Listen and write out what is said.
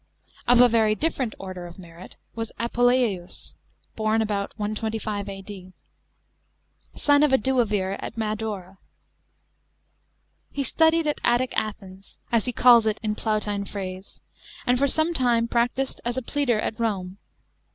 Of a very different order of merit was APULEIUS (born about 125 A.D.), son of a duovir at Madaura. He studied at "Attic Athens," as he calls it in Plautine phrase, and for some time practised as a pleader at Rome.